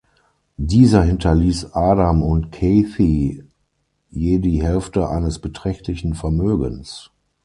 Dieser hinterließ Adam und Cathy je die Hälfte eines beträchtlichen Vermögens.